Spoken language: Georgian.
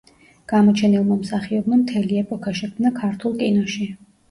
გამოჩენილმა მსახიობმა მთელი ეპოქა შექმნა ქართულ კინოში.